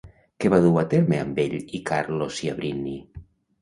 Què va dur a terme amb ell i Carlo Ciabrini?